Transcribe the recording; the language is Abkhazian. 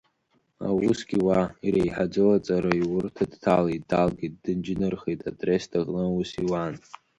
Аусгьы уа, иреиҳаӡоу аҵараиурҭа дҭалеит, далгеит, дынџьнырхеит, атрест аҟны аус иуан.